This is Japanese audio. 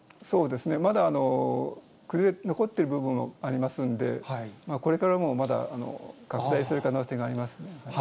まだ残っている部分もありますんで、これからもまだ拡大する可能性がありますね。